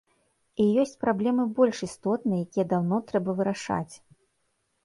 І ёсць праблемы больш істотныя, якія даўно трэба вырашаць.